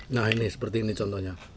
nah ini seperti ini contohnya